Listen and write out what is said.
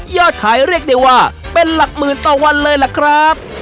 ขายเรียกได้ว่าเป็นหลักหมื่นต่อวันเลยล่ะครับ